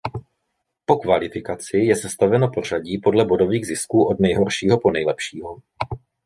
Po kvalifikaci je sestaveno pořadí podle bodových zisků od nejhoršího po nejlepšího.